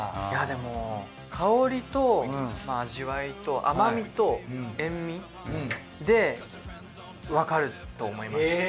いやでも香りと味わいと甘みと塩味でわかると思います。